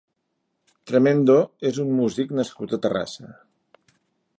Tremendo és un músic nascut a Terrassa.